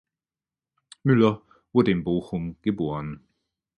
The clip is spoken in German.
Müller wurde in Bochum geboren.